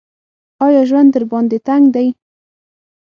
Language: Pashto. ایا ژوند درباندې تنګ دی ؟